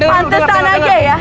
pantesan aja ya